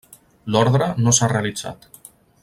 L'ordre no s'ha realitzat.